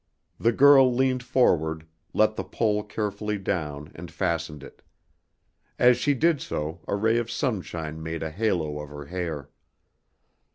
The girl leaned forward, let the pole carefully down and fastened it. As she did so a ray of sunshine made a halo of her hair.